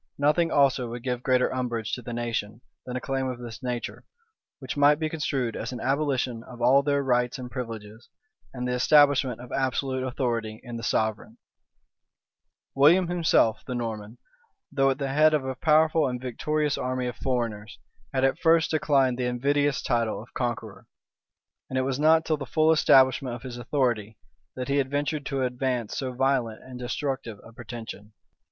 Nothing also would give greater umbrage to the nation than a claim of this nature; which might be construed as an abolition of all their rights and privileges, and the establishment of absolute authority in the sovereign.[] *Bacon in Kennet's Complete History, p. 579. Bacon, p. 579. William himself, the Norman, though at the head of a powerful and victorious army of foreigners, had at first declined the invidious title of Conqueror; and it was not till the full establishment of his authority, that he had ventured to advance so violent and destructive a pretension.